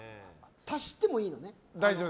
足してもいいんだよね？